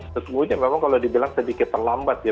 sesungguhnya memang kalau dibilang sedikit terlambat ya